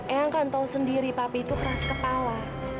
eang kan tau sendiri papi itu keras kepala